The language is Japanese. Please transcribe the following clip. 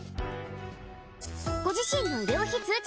ご自身の医療費通知